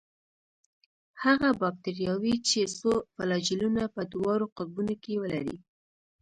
هغه باکتریاوې چې څو فلاجیلونه په دواړو قطبونو کې ولري.